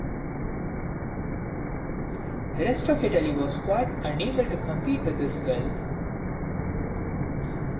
The rest of Italy was quite unable to compete with this wealth.